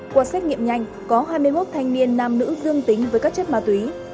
qua xét nghiệm nhanh có hai mươi một thanh niên nam nữ dương tính với các chất ma túy